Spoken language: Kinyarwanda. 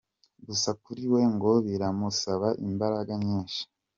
Gusa kuri we ngo biramusaba imbaraga nyinshi.